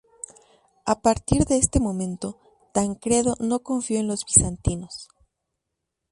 A partir de este momento Tancredo no confió en los bizantinos.